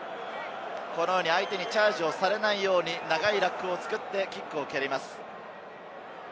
相手にチャージをされないように長いラックを作ってキックを蹴ります。